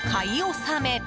納め！